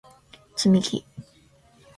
つみき